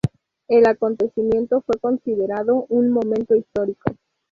El acontecimiento fue considerado un momento histórico.